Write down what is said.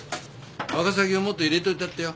ワカサギをもっと入れといたってや。